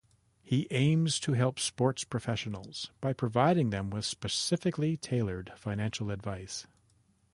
He aims to help sports professionals by providing them with specifically tailored financial advice.